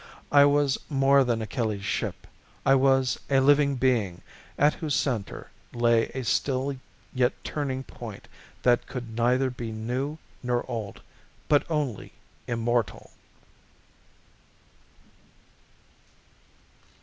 I was more than Achilles' Ship. I was a living being at whose center lay a still yet turning point that could neither be new nor old but only immortal.